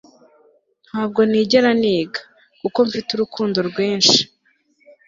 ntabwo nigera niga, kuko mfite urukundo rwinshi